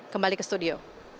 kembali ke studio